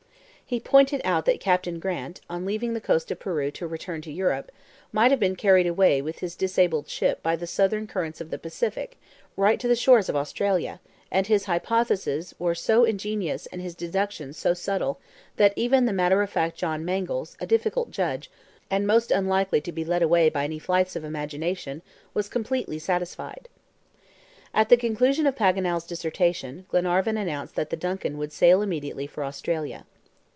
He pointed out that Captain Grant, on leaving the coast of Peru to return to Europe, might have been carried away with his disabled ship by the southern currents of the Pacific right to the shores of Australia, and his hypotheses were so ingenious and his deductions so subtle that even the matter of fact John Mangles, a difficult judge, and most unlikely to be led away by any flights of imagination, was completely satisfied. At the conclusion of Paganel's dissertation, Glenarvan announced that the DUNCAN would sail immediately for Australia.